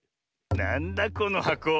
なんだこのはこ？